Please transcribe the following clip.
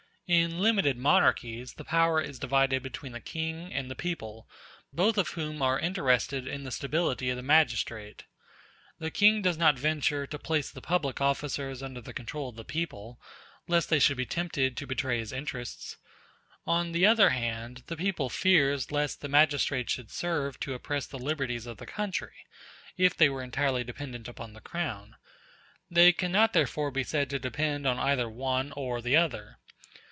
In limited monarchies the power is divided between the King and the people, both of whom are interested in the stability of the magistrate. The King does not venture to place the public officers under the control of the people, lest they should be tempted to betray his interests; on the other hand, the people fears lest the magistrates should serve to oppress the liberties of the country, if they were entirely dependent upon the Crown; they cannot therefore be said to depend on either one or the other.